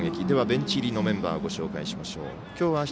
ではベンチ入りのメンバーをご紹介しましょう。